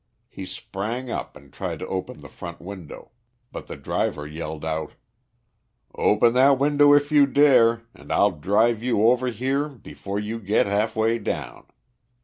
He sprang up and tried to open the front window, but the driver yelled out "Open that window if you dare, and I'll drive you over here before you get halfway down.